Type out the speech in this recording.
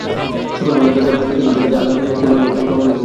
সকাল বেলা তার দরজায় লিখিত দেখা যায়, আল্লাহ কিফলকে ক্ষমা করে দিয়েছেন।